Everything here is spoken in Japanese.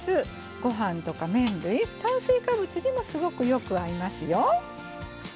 ご飯とか麺類、炭水化物にもすごくよく合いますよ。